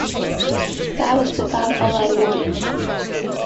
That was about all I wanted.